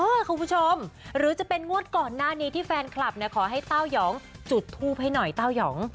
คุณผู้ชมหรือจะเป็นงวดก่อนหน้านี้ที่แฟนคลับเนี่ยขอให้เต้ายองจุดทูปให้หน่อยเต้ายอง